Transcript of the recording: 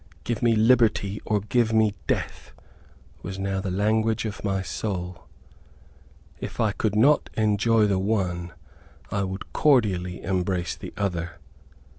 "Give me liberty or give me death," was now the language of my soul. If I could not enjoy the one, I would cordially embrace the other.